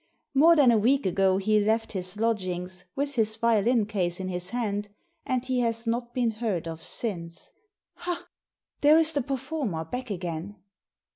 ^More than a week ago he left his lodgings, with his violin case in his hand, and he has not been heard of since. Ha! there is the performer back again."